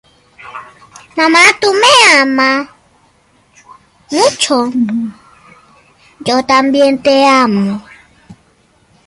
Por encima se encuentran cuatro gárgolas que sirven de desagües.